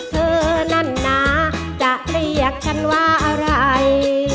เธอนั่นนะจะเรียกฉันว่าอะไร